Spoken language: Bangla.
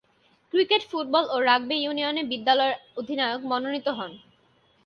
ক্রিকেট, ফুটবল ও রাগবি ইউনিয়নে বিদ্যালয়ের অধিনায়ক মনোনীত হন।